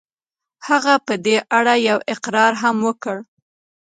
هغه په دې اړه يو اقرار هم وکړ.